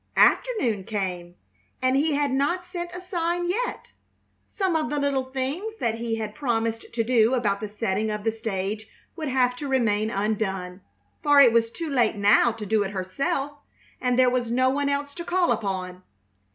Afternoon came and he had not sent a sign yet. Some of the little things that he had promised to do about the setting of the stage would have to remain undone, for it was too late now to do it herself, and there was no one else to call upon.